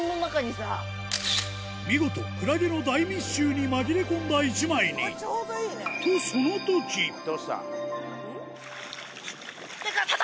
見事クラゲの大密集に紛れ込んだ１枚にとそのときどうした？